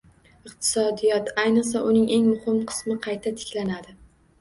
Iqtisodiyot, ayniqsa uning eng muhim qismi qayta tiklanadi